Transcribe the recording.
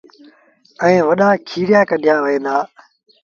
ائيٚݩ وڏآ کيريآ ڪڍيآ وهيݩ دآ